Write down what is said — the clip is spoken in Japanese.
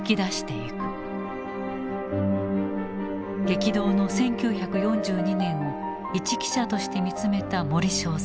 激動の１９４２年を一記者として見つめた森正蔵。